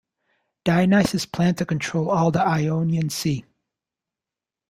Dionysius planned to control all the Ionian Sea.